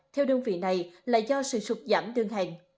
theo đơn vị này là do sự sụt giảm đơn hàng